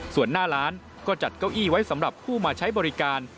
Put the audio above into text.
ส่วนหน้าร้านก็จัดเก้าอี้ไว้สำหรับผู้มาใช้บริการ